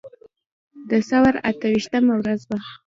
د ثور اته ویشتمه ورځ وه.